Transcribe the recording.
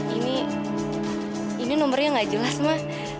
ini ini nomernya nggak jelas ma